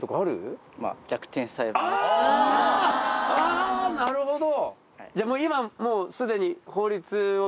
あなるほど！